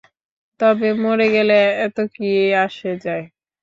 তবে মরে গেলে এতো কি আসে যায়?